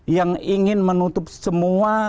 yang ingin menutup semua